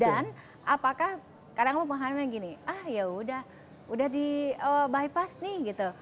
dan apakah kadang kadang pemahamannya gini ah ya udah di bypass nih